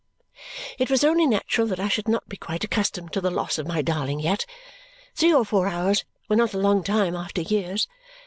It was only natural that I should not be quite accustomed to the loss of my darling yet. Three or four hours were not a long time after years.